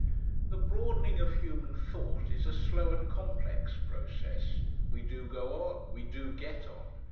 The broadening of human thought is a slow and complex process. We do go on, we do get on.